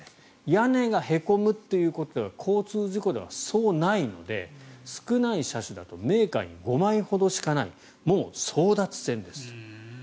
屋根がへこむということは交通事故では、そうないので少ない車種だとメーカーにも５枚ほどしかないもう争奪戦ですと。